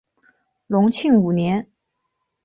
隆庆五年。